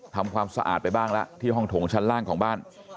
ทำความสะอาดไปบ้างแล้วที่ห้องถงชั้นล่างของบ้าน